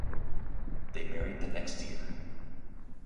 They married the next year.